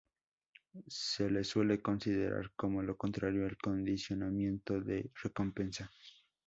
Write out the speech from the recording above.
Se le suele considerar como lo contrario al condicionamiento de recompensa.